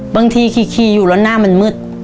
บางทีขี่อยู่แล้วหน้ามันมืด